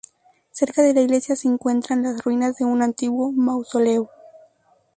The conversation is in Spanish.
Cerca de la iglesia se encuentran las ruinas de un antiguo mausoleo.